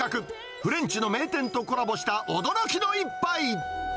フレンチの名店とコラボした驚きの一杯。